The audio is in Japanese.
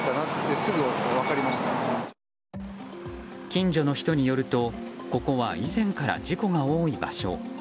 近所の人によるとここは以前から事故が多い場所。